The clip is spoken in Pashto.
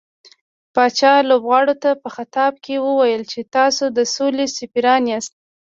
پاچا لوبغاړو ته په خطاب کې وويل چې تاسو د سولې سفيران ياست .